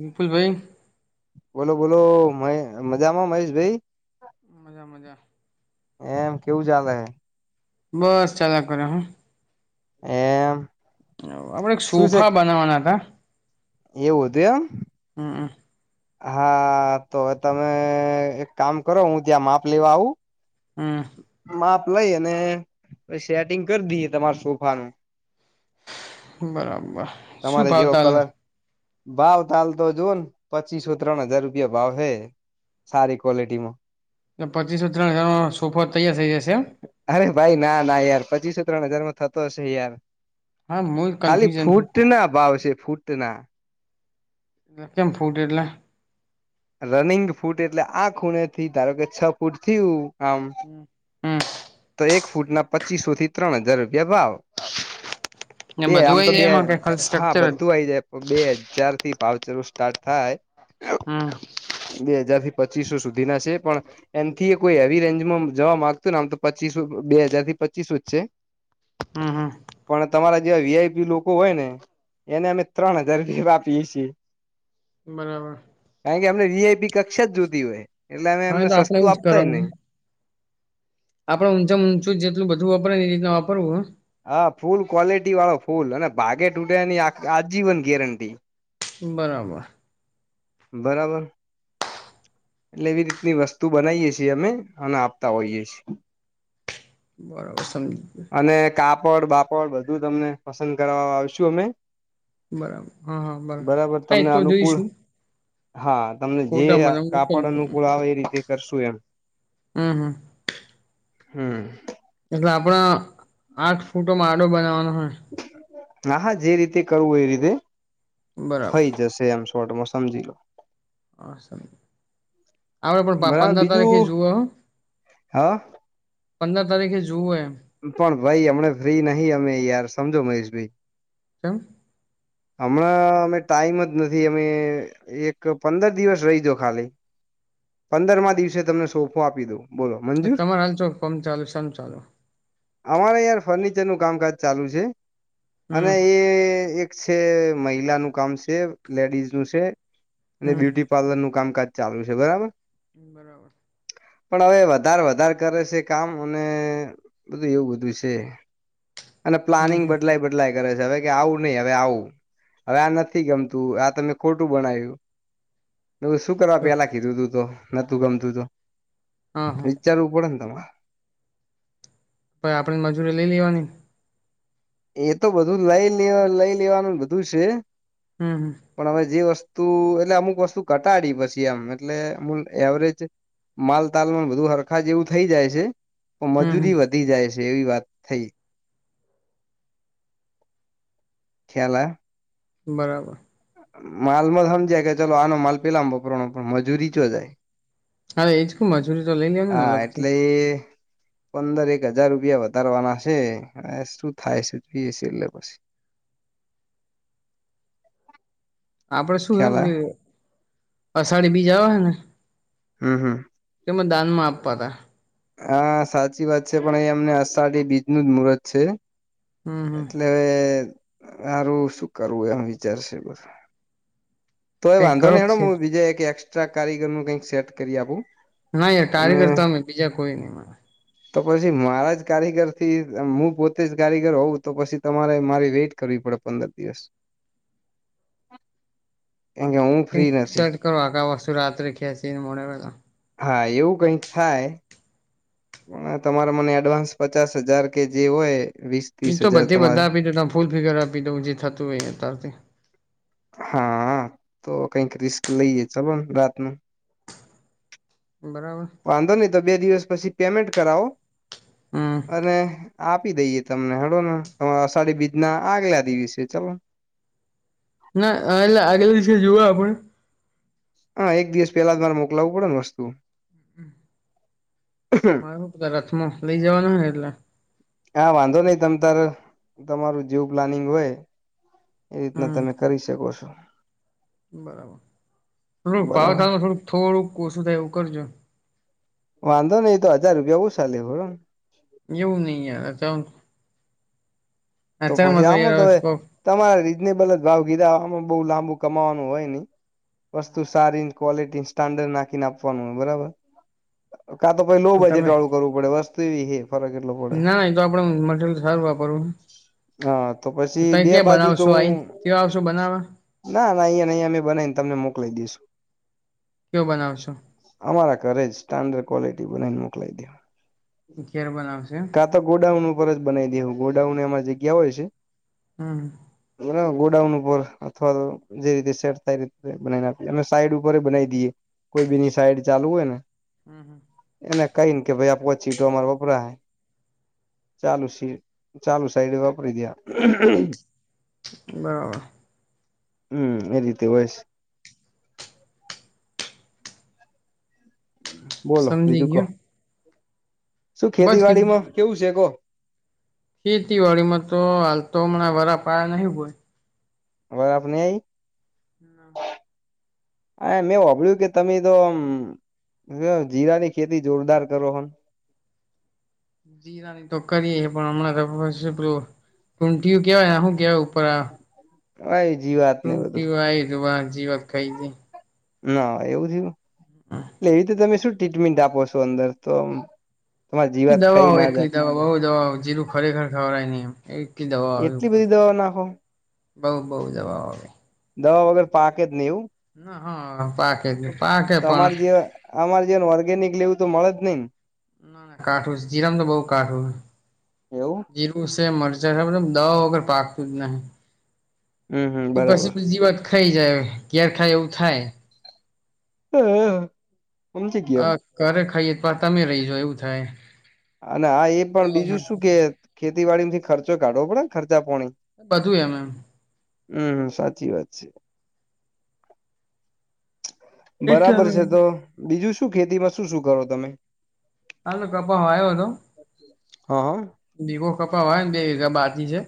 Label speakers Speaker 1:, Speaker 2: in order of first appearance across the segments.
Speaker 1: વિપુલભાઈ
Speaker 2: બોલો બોલો મહે મજામાં મહેશભઈ.
Speaker 1: મજા, મજા.
Speaker 2: એમ, કેવું ચાલે હે?
Speaker 1: બસ ચાલ્યા કરે હ.
Speaker 2: એમ?
Speaker 1: આપડે એક
Speaker 2: શું છે
Speaker 1: સોફા બનાવવાના હતા.
Speaker 2: એવું હતું એમ?
Speaker 1: હમ, હમ.
Speaker 2: હા તો તમે એક કામ કરો, હું ત્યાં માપ લેવા આવું?
Speaker 1: હમ.
Speaker 2: માપ લઈ અને સેટિંગ કરી દઈએ તમાર સોફાનું.
Speaker 1: હા બરાબર. શું
Speaker 2: તમારે જેવો કલર
Speaker 1: ભાવતા
Speaker 2: ભાવ તાલ તો જો ન, પચીસો ત્રણ હજાર રૂપિયા ભાવ હે. સારી ક્વોલિટી માં
Speaker 1: એ પચીસો ત્રણ હજારમાં સોફા તૈયાર થઈ જશે એમ?
Speaker 2: અરે ભાઈ ના ના યાર પચીસો ત્રણ હજાર માં થતો હશે યાર,
Speaker 1: હા હું
Speaker 2: ખાલી
Speaker 1: કન્ફ્યુઝન
Speaker 2: ફૂટ ફૂટના ભાવ છે ફૂટના
Speaker 1: એ કેમ ફૂટ એટલે
Speaker 2: રનિંગ ફૂટ એટલે આ ખૂણે થી ધારો કે છ ફૂટ થીયું આમ
Speaker 1: હમ
Speaker 2: તો એક ફૂટ ના પચીસો થી ત્રણ હજાર રૂપિયા ભાવ.
Speaker 1: હમ
Speaker 2: બે
Speaker 1: બધું
Speaker 2: આમ
Speaker 1: આઈ
Speaker 2: તો
Speaker 1: જાય
Speaker 2: બે
Speaker 1: એમાં કે ખાલી
Speaker 2: હા
Speaker 1: સ્ટ્રક્ચર જ
Speaker 2: બધું આઇ જાય. બે હજાર થી ભાવ ચલો સ્ટાર્ટ થાય
Speaker 1: હમ
Speaker 2: બે હજાર થી પચીસો સુધી ના છે પણ એન થી યે કોઈ હેવી રેન્જમાં જવા માંગતું ને આમ તો પચીસ બે હજાર થી પચીસ જ છે.
Speaker 1: હમ હમ.
Speaker 2: પણ તમારા જેવા વીઆઈપી લોકો હોય ને. એને અમે ત્રણ હજાર જેેવા આપીએ છીએ.
Speaker 1: બરાબર
Speaker 2: કારણ કે અમને વી આઈ પી કક્ષા જ જોતી હોય, એટલે અમે
Speaker 1: હા
Speaker 2: એમને
Speaker 1: તો આપડે
Speaker 2: સસ્તું
Speaker 1: એવું જ
Speaker 2: આપતા હોય નહ.
Speaker 1: આપડ ઊચા ઊંચું જેટલું બધું વાપરે એ રતના વાપરવું હ.
Speaker 2: હા ફૂલ ક્વોલિટી વાળો ફૂલ અને ભાગે તૂટે્યાની આજીવન ગેરંટી.
Speaker 1: બરાબર.
Speaker 2: બરાબર. એટલે એવી રીતની વસ્તુ બનાવીએ છીએ અમે અને આપતા હોઈએ છીએ.
Speaker 1: બરાબર સમ.
Speaker 2: અને કાપડ બાપડ બધું તમને પસંદ કરવા આવશુ અમે.
Speaker 1: બરાબર હા હા બરાબર આ
Speaker 2: તમને
Speaker 1: તો
Speaker 2: અનુકૂળ
Speaker 1: જોઈશું.
Speaker 2: હા તમને
Speaker 1: ફોટા
Speaker 2: જે
Speaker 1: મને
Speaker 2: કાપડ
Speaker 1: મોકલજો
Speaker 2: અનુકૂળ આવે એ રીતે કરશું એમ.
Speaker 1: હમ હમ.
Speaker 2: હમ.
Speaker 1: એટલે આપડ આઠ ફૂટો મા આડો બનાવવાનો હોય.
Speaker 2: હ હા જે રીતે કરવું એ રીતે,
Speaker 1: બરાબર
Speaker 2: થઈ જશે એમ. છોટમાં સમજી લો.
Speaker 1: હ સર આપડ પણ
Speaker 2: બરાબર
Speaker 1: પંદર તારીખે
Speaker 2: બીજું
Speaker 1: જુઓ.
Speaker 2: હા?
Speaker 1: પંદર તારીખે જુવું એમ.
Speaker 2: પણ ભાઈ અમને ફ્રી નહી અમે યાર સમજો મહેશ ભાઈ.
Speaker 1: ચ [unintelligible]
Speaker 2: હમણાં અમે ટાઈમ જ નથી અમે એક પંદર દિવસ રહીજો ખાલી. પંદરમાં દિવસે તમને સોફો આપી દો.
Speaker 1: તમારે હાલ ચો કોમ ચાલુ શમ ચાલુ.
Speaker 2: અમારે યાર ફર્નિચર નું કામકાજ ચાલુ છે.
Speaker 1: હમ
Speaker 2: અને એ એક છે મહિલાનું કામ છે લેડીઝ નું છે, અને
Speaker 1: હમ
Speaker 2: બ્યુટી પલન નું કામકાજ ચાલુ છે બરાબર.
Speaker 1: બરાબર.
Speaker 2: પણ હવે વધારે વધારે કરે છે કામ અને બધું એવું બધું છે, અને
Speaker 1: હમ
Speaker 2: પ્લાનિંગ
Speaker 1: હમ
Speaker 2: બદલાય બદલાય કરે છે હવે કે આવું નહી આવે. હવે આવું હવે, આ નથી ગમતું આ તમે ખોટું બનાય્યું. શું કરવા પેલા કીધું તું તો નતું ગમતું તો.
Speaker 1: હા હા
Speaker 2: વિચારવું પડે તમામાં.
Speaker 1: પ આપણે મજૂરી લઈ લેવાની.
Speaker 2: એ તો બધું લઈ લે લઈ લેવાનું બધું છે.
Speaker 1: હમ હમ.
Speaker 2: પણ હવે જે વસ્તુ એટલે અમુક વસ્તુ ઘટાડી પછી એમ એટલે અમ એવરેજ માલતાાલ બધું હરખા જેવું થઈ જાય છે, પણ
Speaker 1: હમ
Speaker 2: મજૂરી
Speaker 1: હમ
Speaker 2: વધી જાય છે એવી વાત થઈ. ખ્યાલ આયો?
Speaker 1: બરાબર.
Speaker 2: માલ માં સમજ્યા કે ચલો આનો માલ પેલામ વપરાનો પણ મજૂરી ચ જાય.
Speaker 1: હા એજ ક મજૂરી તો લઈ લે ને અલગથી.
Speaker 2: તે પંદર એક હજાર રૂપિયા વધારવાના છે હ શું થાય છે જોઈએ છે એટલે પછી
Speaker 1: આપડે શું
Speaker 2: ખ્યાલ
Speaker 1: કેમ
Speaker 2: આયો
Speaker 1: અષાઢી બીજ આવે હે ને
Speaker 2: હમ્મ હમ્મ
Speaker 1: કે દાન માં આપવા તા
Speaker 2: હા સાચી વાત છે પણ એ અમને આષાઠી બીજ નું જ મુહૂર્ત છે
Speaker 1: હમ હમ
Speaker 2: એટલે હવે મારું શું કરવું એમ વિચારશે બધું તો એ
Speaker 1: કઈક
Speaker 2: વાંધો
Speaker 1: કરો
Speaker 2: નને હેડ હું
Speaker 1: સેટ.
Speaker 2: બીજા એક એસ્ટ્રા કારીગર નું કંઈક સેટ કરી આપું
Speaker 1: ના યાર
Speaker 2: અને
Speaker 1: કારીગરતા અમે બીજા કોઈ નહીને
Speaker 2: તો પછી મારા જ કારીગરથી હું પોતે જ કારીગર હોઉં તો પછી તમારે મારે વેઇટ કરવી પડે પંદર દિવસ કેમ કે હું
Speaker 1: પિંક
Speaker 2: ફ્રી નથી
Speaker 1: સેટ કર હ ક વસ્તુ રત્રે ખેસી ને મો વળ
Speaker 2: હા એવું કઈક થાય પણ તમારે મને એડવાન્સ પચાસ હજાર કે જે હોય વીસ
Speaker 1: એ
Speaker 2: ત્રીસ
Speaker 1: તો
Speaker 2: હજાર
Speaker 1: બધે
Speaker 2: તમારે
Speaker 1: બધા આપી દઉ ત ફૂલ ફિગર આપી દઉં જે થતું હોય અતારથી
Speaker 2: હા તો કઈક રિસ્ક લઈએે ચલો ને રાત નુ
Speaker 1: બરાબર
Speaker 2: વાંધો નહી તો બે દિવસ પછી પેમેન્ટ કરાવો
Speaker 1: હમ
Speaker 2: અને આપી દઈએ તમને હડો ને અષાઢી બીજ ના આગલા દિવસે ચલો
Speaker 1: ના એટલે આગલા દિવસે જુઓ આપે
Speaker 2: હા એક દિવસ પેલા તમારે મોકલાવું પડે વસ્તુ [inaudible]
Speaker 1: તા રથમાં લઈ જવાનું હ એટલે
Speaker 2: હા વાંધો નઈ તમ તમારે તમારું જેવું પ્લાનિંગ હોય એ રીતના
Speaker 1: હમ
Speaker 2: તમે કરી શકો છો
Speaker 1: બરાબર થોડુંક
Speaker 2: બરાબર
Speaker 1: પાાવખાડમાં થોડુંક થોડુંક ઓછું થાય એવું કરજો
Speaker 2: વાંધો નહી તો હજાર રૂપિયા ઓછા લેવા બરોબર ને
Speaker 1: એવું નહી યાર હચમાં [unintelligible]
Speaker 2: તમારે રીઝનેબલ જ ભાવ ગિરામાં બહુ લાંબુ કમાવાનું હોય નહી વસ્તુ સારી ક્વલિટીને સ્ટાન્ડર્ડ નાખીને આપવાનું બરાબર કા તો પછી લો
Speaker 1: તમે
Speaker 2: બજેટ વાળું કરવું પડે વસ્તુ એવી હે ફરક એટલો પડે
Speaker 1: ના ના એ તો આપડે મટરિયલ સારું વાપરવું
Speaker 2: હા તો પછી
Speaker 1: તમે
Speaker 2: બે
Speaker 1: ક્યાં
Speaker 2: બાજુ તો
Speaker 1: બનાવશો
Speaker 2: હું
Speaker 1: આઈ કવા આવશો બનાવવા
Speaker 2: ના ના અહીંયા નહીયા અમે બનાવીને તમને મોકલાલી દઈશું
Speaker 1: કઓ બનાવંશો
Speaker 2: અમારા ઘરે જ સ્ટાન્ડર્ડ ક્વલિટી બનાવીને મોકલાઈ દે
Speaker 1: ઘેર બનાવશે
Speaker 2: કા તો ગોડાઉન ઉપર જ બનાવી દેવું ગોડાઉન એ જગ્યા હોય છે
Speaker 1: હમ્મ
Speaker 2: ગોડાઉન ઉપર અથવા તો જે રીતે સેટ થાય એ રીતે બનાવીનેએ ને આપીયે અમે સાઈડ ઉપર બનાવી દઈએ કોઈ બીજી સાઈડ ચાલુ હોય ને
Speaker 1: હમ્મ
Speaker 2: એને કઈ ને કે ભાઈ આપો ચીટો અમારે વપરા હે ચાલુ સી ચાલુ સાઈડ એ વાપરી દયા.
Speaker 1: બરાબર
Speaker 2: હમ... એ રીતે હોય છે. બોલો
Speaker 1: સમજી
Speaker 2: બીજું કો,
Speaker 1: ગયો
Speaker 2: શું
Speaker 1: બસ
Speaker 2: ખેતીવાડી માં કેવું છે કો.
Speaker 1: ખેતીવાડી માં તો, હાલ તો હમણાં વરા પાયા નહિ હોય.
Speaker 2: અવે આપની [unintelligible]
Speaker 1: હમ..
Speaker 2: હા મેં સાંભળ્યું કે, તમે તો ઓમ. જીરા ની ખેતી જોરદાર કરો હો ન.
Speaker 1: જીરાની તો કરીએ, પણ હમણાં તો પેલું શું ઘૂટિયું કેવાયને શું કેવાય ઉપર આવે
Speaker 2: હ એ જીવાત. ને બધું
Speaker 1: ઘૂંટિયું આઈ ગયું એવા, જીવાત ખાઇ જ જાય.
Speaker 2: ના, એવું થયું, એટલે એવી તો તમે શું ટ્રીટમેન્ટ આપો છો અંદર તો તમારી જીવાત ખાઈ
Speaker 1: દવાઓ
Speaker 2: ના
Speaker 1: એકલી
Speaker 2: જાય
Speaker 1: દવા, બઉુ દવાઓ જીલું ખરેખર ખવાઈ નઈ એમ એકલી દવા.
Speaker 2: એટલી બધી દવા નાખો.
Speaker 1: બઉુ -બઉુ દવાઓ આવે.
Speaker 2: દવા વગર પાકે જ નઈ એવું.
Speaker 1: ના, હ.. પા
Speaker 2: તમારે જેવા, અમારે જેવા ને ઓર્ગેનિક લેવું તો મળે જ નઈ ને
Speaker 1: ના.. ના કાઠું જીરા મા તો બહું કાઠું હ.
Speaker 2: એવું
Speaker 1: જીરું છે, મરચા છે, મતલબ દવા વગર પાકતું જ નહી.
Speaker 2: હમ હમ
Speaker 1: ઉપર
Speaker 2: બરાબર
Speaker 1: થી બીજી વાત ખાઈ જાય, ઘેર ખાય એવું થાય.
Speaker 2: હમ.
Speaker 1: અ.. ઘરે ખાઈએ પણ, તમે રહી જો એવું થાય.
Speaker 2: અને આ એ પણ બીજું શું કે, ખેતીવાડી માંથી ખર્ચો કાઢવો પડે, ખર્ચા-પોણી.
Speaker 1: બધું એમ એમ.
Speaker 2: હમ.. સાચી વાત છે.
Speaker 1: એટલા
Speaker 2: બરાબર
Speaker 1: મે
Speaker 2: છે તો, બીજું શું ખેતીમાં શું-શું કરો તમે?
Speaker 1: હા કપા હ આવ્યો હતો [unintelligible]
Speaker 2: હા હા..
Speaker 1: દીવો કપા હોય ને બેજા બા [unintelligible]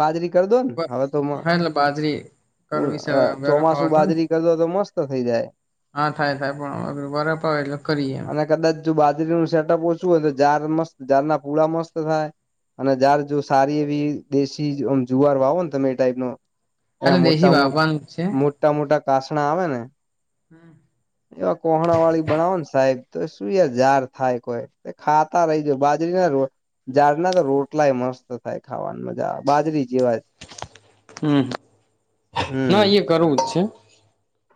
Speaker 2: બાજરી કરી દો ને, હવે તો.. મ
Speaker 1: હા એટલે બાજરી કરવી છે હવે,
Speaker 2: હ..
Speaker 1: બરફ
Speaker 2: ચોમાસું
Speaker 1: આવતો ને
Speaker 2: બાજરી કર દો તો મસ્ત થઇ જાય.
Speaker 1: હા, થાય-થાય પણ બરાપ આવેે એટલે કરીએ એમ.
Speaker 2: અને કદાચ જો બાજરીનું સેટઅપ ઓછું હોય તોજાર મસ્ત, જાર ના પૂળા મસ્ત થાય. અને જાર જો સારી એવી, દેશી ઓમ જુવાર વાવો ને તમે એ ટાઈપનો એ
Speaker 1: એટલે દેશી
Speaker 2: મોટા..
Speaker 1: વાવવાનું જ છે
Speaker 2: મોટા-મોટા કાસણા આવે ને?
Speaker 1: હમ
Speaker 2: એવા કોહણા વાળી બનાવો ને સાહેબ, તો શું એ જાર થાય કોઈ. ખાતા રહી જાવ બાજરી ના રોટલા. જારના તો રોટલા ય મસ્ત થાય ખાવાની મજા આવે, બાજરી જેવા જ.
Speaker 1: હમ.. ના
Speaker 2: હમ
Speaker 1: એ કરવું જ છે.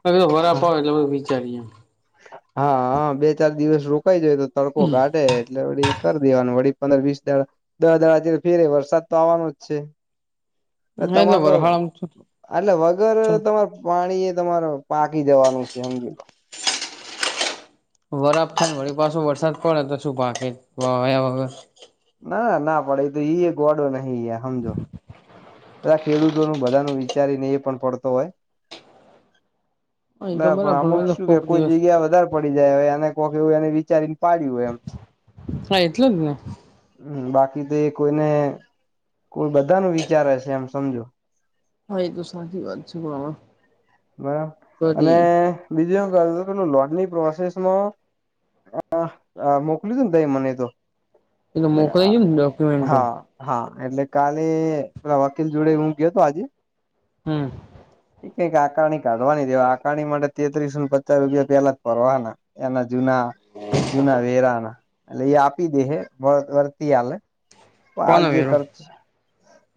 Speaker 1: અ તો વરાપ આવે એટલે બધું વિચારીએ.
Speaker 2: હા-હા, બે-ચાર દિવસ રોકાઈ જાય તો તડકો ઘાટે એટલેી વળી કરી દેવાનું વળી પંદર વીસ દાડા, દસ દાડા ફેરે વરસાદ તો આવવાનો જ છે.
Speaker 1: એટલે
Speaker 2: તમાર તો
Speaker 1: વરહાળામાં
Speaker 2: એટલે વગર તમાર પાણી એ તમારે પાકી જવાનું છે હમજીલો.
Speaker 1: [inaudible] વરાપખાન વળી પાછો વરસાદ પડે તો શું પાકે.? વાવ્યા વગર.
Speaker 2: ના ના પડે તો ઈ એક વાડો નહી હમજો. બધા ખેડૂતોનું બધાનું વિચારી ને એ પણ પડતો હોય.
Speaker 1: હા એ તો
Speaker 2: ના પણ
Speaker 1: બરાબર
Speaker 2: અમુક
Speaker 1: એ તો
Speaker 2: શું કે?
Speaker 1: કોક
Speaker 2: કોઈ
Speaker 1: દિવસ
Speaker 2: જગ્યા વધારે પડી જાય. એને કોક એવું એને વિચારીને પાડ્યું હોય એમ.
Speaker 1: હા એટલે ને,
Speaker 2: હમ બાકી તો કોઈને. કોઈ બધા નુ વિચારે છે એમ સમજો.
Speaker 1: હા એ તો સાચી વાત છે મામા.
Speaker 2: બરાબર અને બીજું એ કર લોનની પ્રોસેસમાં હ મોકલ્યું હતું ને તઈ મને તો.
Speaker 1: એ તો મોકલાઈ ગયું ને ડોક્યુમેન્ટો
Speaker 2: હા હા એટલે કાલે પેલા વકીલ જોડે હું ગયો હતો આજે
Speaker 1: હમ
Speaker 2: એ કઈક આકારણી કાઢવાની દેવા આકારણી માટે તેત્રીસ ને પચાસ રૂપિયા પેલા ભરવાના. એના જૂના જૂના વેરા ના. એટલે એ આપી દે હ વર્તી આલે તો હાલ
Speaker 1: કોનો
Speaker 2: જે
Speaker 1: વેરો
Speaker 2: ખર્ચ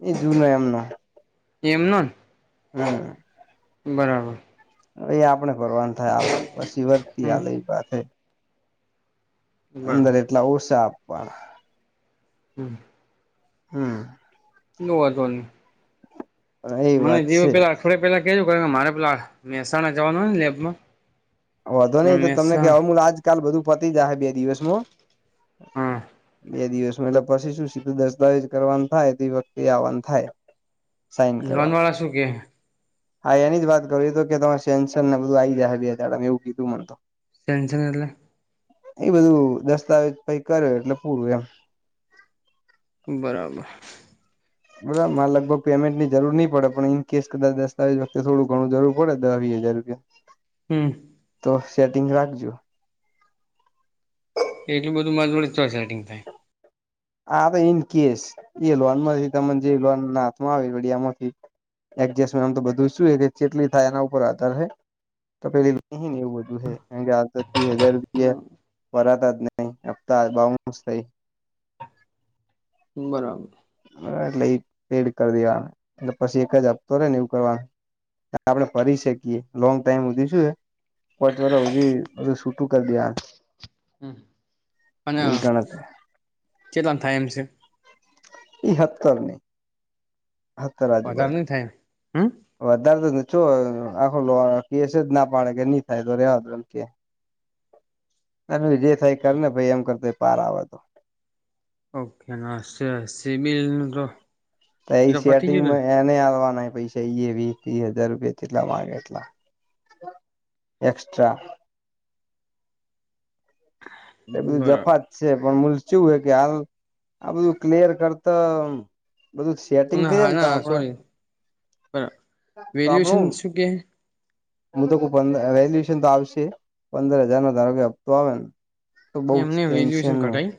Speaker 2: એ જુ ન એમનો.
Speaker 1: એમનો?
Speaker 2: હમ
Speaker 1: બરાબર,
Speaker 2: એ આપડે ભરવાનું થાય. હાલ પછી વતી
Speaker 1: હમ
Speaker 2: હાલ એ પાસે અંદર
Speaker 1: બરાબર
Speaker 2: એટલા ઓસા આપવાના.
Speaker 1: હમ
Speaker 2: હમ
Speaker 1: નવા ધોની?
Speaker 2: એ
Speaker 1: મને
Speaker 2: વાત
Speaker 1: જેવ
Speaker 2: છે
Speaker 1: પેલા અઠવાડિયા પેલા કેજે મારે પેલા મહેસાણા જવાનું હોય ને લેબમાં
Speaker 2: વધો
Speaker 1: હ
Speaker 2: નહી તો તમને
Speaker 1: મહેસાણા
Speaker 2: કેમલ આજકાલ બધું પતી જાયશે બે દિવસમાં.
Speaker 1: હા
Speaker 2: બે દિવસમાં એટલે પછી શું સીધું દસ્તાવેજ કરવાનું થાય તે વખતે આવવાનું થાય. સાઇન
Speaker 1: લોન
Speaker 2: કરવા.
Speaker 1: વાળા શું કે
Speaker 2: હા એની જ વાત કરવી તો કેરે સેન્શન ને બધું આવી જાય બે દાડામાં એવું કીધું મને તો.
Speaker 1: ટેનશન એટલે?
Speaker 2: એ બધું દસ્તાવેજ કઈ કરે એટલે પૂરું એમ.
Speaker 1: બરાબર.
Speaker 2: બરાબર મારે લગભગ પેમેન્ટની જરૂર નહીં પડે. પણ ઇન કેસ કદા દતાવેજ વખતે થોડું ઘણું જરૂર પડે દહ વીહ હજાર રૂપિયા.
Speaker 1: હમ
Speaker 2: તો સેટિંગ રાખજો.
Speaker 1: એટલું બધું મારી જોડે ચયા થી નીકળે?
Speaker 2: હા તો ઈન કેસ એ લોન માંથી તને જે લોન ના હાથમાં આવે વડિયામાંથી એડજસ્ટમેન્ટ આમ તો બધું શું કે ચેટલી થાય એના ઉપર આધાર છે. તો પેલી નહી ને એવું બધું હે કેમકે કે આટલા તો તીહ હજાર રૂપિયા ભરાતા જ નહી હપતા બાઉસ થાય.
Speaker 1: બરાબર,
Speaker 2: એટલે એ પેડ કરી દેવાનું એટલે પછી એક જ અપતો રે ને એવું કરવાનું. આપડે ફરી શકીએ. લોંગ ટાઈમધી શુંએ? પચ વરસ હૂધી સુટું કરી દેવાનું.
Speaker 1: હમ્મ અને
Speaker 2: એવી ગણતરી
Speaker 1: કેટલા નુ થાય એમ છે?
Speaker 2: એઈ હતર. હતર
Speaker 1: વધારે
Speaker 2: આજુબજુ
Speaker 1: નહી થાય હમ
Speaker 2: વધારે નતોને આખો કેશ જ ના પાડે કે નઈ થાય તો રેવા દો એમ કે. જે થાય કર ને ભાઈ એમ કરતો પાર આવ
Speaker 1: ઓકે હ સી સીબીલ તો
Speaker 2: એ
Speaker 1: તો પતી ગયું
Speaker 2: સેટિંગમાં એને આવવાના પૈસા એ વીસ હજાર રૂપિયા જેટલા માંગે એટલા એક્સ્ટસ્ટ્રા એ
Speaker 1: ને
Speaker 2: બીધું જફત
Speaker 1: બરાબર
Speaker 2: છે પણ મલચું હ કે હાલ આ બધું ક્લયર કરતા બધું સેટિંગ
Speaker 1: ના
Speaker 2: થઈ
Speaker 1: હા
Speaker 2: ને તો
Speaker 1: ના
Speaker 2: આપણે
Speaker 1: સોરી
Speaker 2: તો આપણું
Speaker 1: હું કે
Speaker 2: હું તો પ વેલ્યુશન તો આવશે પંદર હજાર નો ધારો કે હપતો આવે ને તો બઉ જ
Speaker 1: એમને વેલ્યુએશન
Speaker 2: ટેન્શન
Speaker 1: ઘટાય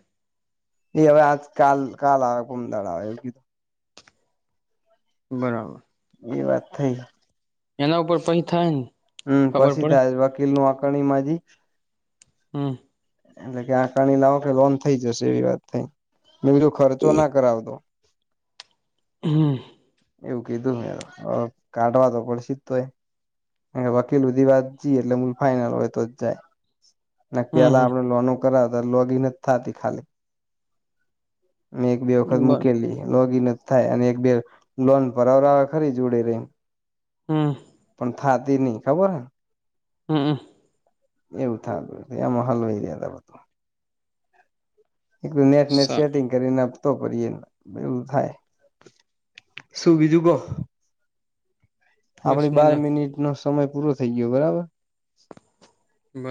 Speaker 2: એ હવે આજ કાલ કાલ આવે કોમદાડા આવે એવધ
Speaker 1: બરાબર
Speaker 2: એ વાત થઈ
Speaker 1: એના ઉપર પઈ થાય ને
Speaker 2: હમ્મ
Speaker 1: ખબર
Speaker 2: પછી
Speaker 1: પડે
Speaker 2: થાય વકીલ નું આકણીમાંજી
Speaker 1: હમ્મ
Speaker 2: એટલે કે આંકણી લાવ કે લોન થઈ જશે એવી વાત થઈ મે બીજું ખર્ચો ના કરાવતો
Speaker 1: હમ્મ
Speaker 2: એવું કીધું મે કાઢવા તો પણ સે તોય વકીલ હુધી વાત જીએ એટલે મલ ફાાઈનલ હોય તો જ જાય ના
Speaker 1: હમ
Speaker 2: પેલા
Speaker 1: હમ
Speaker 2: આપણે લોનું કરાવ હતા લોગીન જ થતી ખાલી મે એક બે વખત
Speaker 1: બર
Speaker 2: મુૂકેલી લોગી નથી થાય અને એક બે લોન પરવડ ખરી ઉડી રહીને
Speaker 1: હમ
Speaker 2: પણ થાતી નહી ખબર હ
Speaker 1: હમ્મ
Speaker 2: એવું થાત એવા હાલઈ રહ્યાતા એકું નેટ નેટ
Speaker 1: સા
Speaker 2: સેટિંગ કરીને આપતો પ એલું થાય શું બીજું કહો
Speaker 1: બસ
Speaker 2: આપડી બાર
Speaker 1: મજા
Speaker 2: મિનિટ નો સમય પૂરો થઇ ગયો બરાબર
Speaker 1: બ